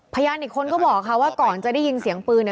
พยานอีกคนก็บอกค่ะว่าก่อนจะได้ยินเสียงปืนเนี่ย